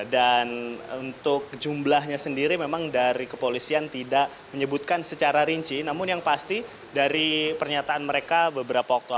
dan untuk jumblahnya sendiri memang dari kepolisian tidak menyebutkan secara rinci namun yang pasti dari pernyataan mereka beberapa waktu lalu